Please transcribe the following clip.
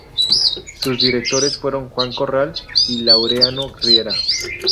Sus directores fueron Juan Corral y Laureano Riera.